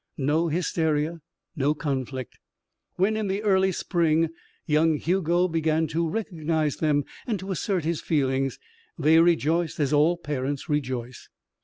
No hysteria, no conflict. When, in the early spring, young Hugo began to recognize them and to assert his feelings, they rejoiced as all parents rejoice.